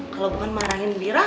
kalo bukan marahin bira